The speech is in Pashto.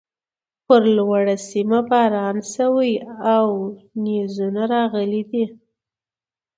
پر لوړۀ سيمه باران شوی او نيزونه راغلي دي